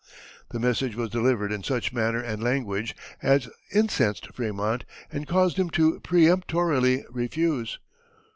The message was delivered in such manner and language as incensed Frémont and caused him to peremptorily refuse.